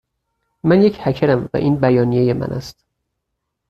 من یک هکرم، و این بیانیه من است.